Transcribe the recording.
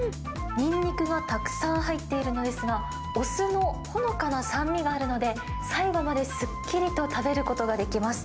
ニンニクがたくさん入っているのですが、お酢のほのかな酸味があるので、最後まですっきりと食べることができます。